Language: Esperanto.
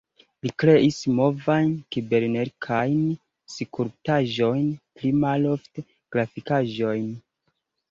Li kreis movajn-kibernerikajn skulptaĵojn, pli malofte grafikaĵojn.